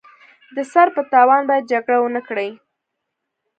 د سر په تاوان باید جګړه ونکړي.